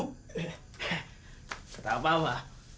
eh tak apa apa